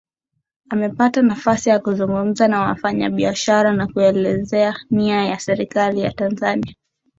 Amepata nafasi ya kuzungumza na wafanyabiashara na kuelezea nia ya Serikali ya Tanzania